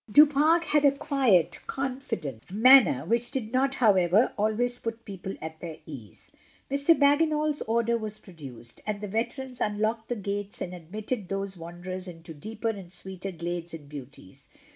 Du Pare had a quiet, confident man ner, which did not, however, always put people at their ease. Mr. Bagginal's order was produced, and the veterans unlocked the gates and admitted these wan derers into deeper and sweeter glades and beauties.